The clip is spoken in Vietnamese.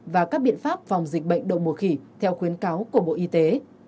và các biện pháp phòng dịch bệnh đầu mùa khỉ theo khuyến cáo của bộ y tế